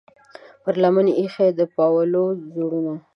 پر لمن ایښې د پاولو زړونه